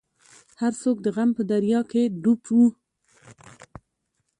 هر څوک د غم په دریا کې ډوب وو.